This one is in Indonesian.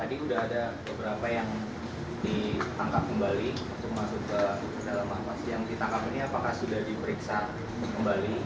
tadi sudah ada beberapa yang ditangkap kembali